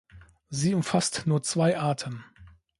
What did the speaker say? Sie umfasst nur zwei Arten.